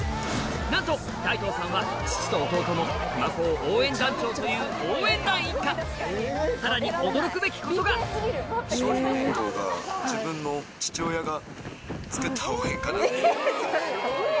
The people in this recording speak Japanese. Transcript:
なんと大東さんは父と弟も熊高応援団長という応援団一家さらに驚くべきことが自分の。なんですけど。